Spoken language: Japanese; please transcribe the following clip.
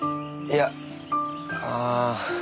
いやああ。